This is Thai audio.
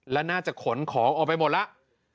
และน่าจะขนของออกไปหมดแล้ว